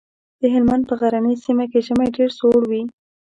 د هلمند په غرنۍ سيمه کې ژمی ډېر سوړ وي.